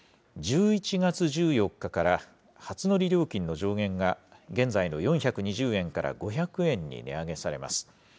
１１月１４日から、初乗り料金の上限が現在の４２０円から５００円に値上げされます。